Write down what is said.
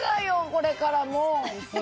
これからもう！